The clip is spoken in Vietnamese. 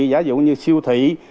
giả dụ như siêu thị